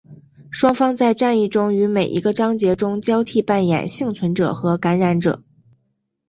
双方在战役中于每一个章节中交替扮演幸存者和感染者。